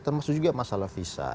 termasuk juga masalah visa